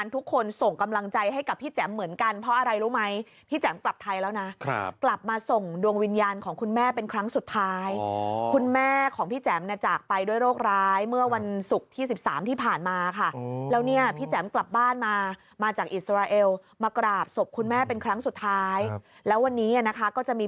ทุกคนส่งกำลังใจให้กับพี่แจ๋มเหมือนกันเพราะอะไรรู้ไหมพี่แจ๋มกลับไทยแล้วนะกลับมาส่งดวงวิญญาณของคุณแม่เป็นครั้งสุดท้ายคุณแม่ของพี่แจ๋มเนี่ยจากไปด้วยโรคร้ายเมื่อวันศุกร์ที่๑๓ที่ผ่านมาค่ะแล้วเนี่ยพี่แจ๋มกลับบ้านมามาจากอิสราเอลมากราบศพคุณแม่เป็นครั้งสุดท้ายแล้ววันนี้นะคะก็จะมี